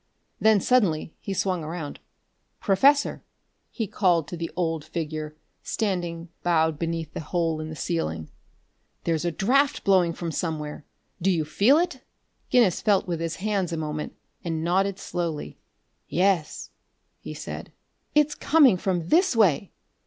Then suddenly he swung around. "Professor!" he called to the old figure standing bowed beneath the hole in the ceiling. "There's a draft blowing from somewhere! Do you feel it?" Guinness felt with his hands a moment and nodded slowly. "Yes," he said. "It's coming from this way!"